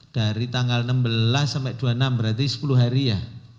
dari tanggal enam belas sampai dua puluh enam berarti sepuluh hari ya